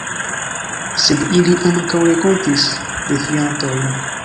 Sed ili ankaŭ renkontis defiantojn.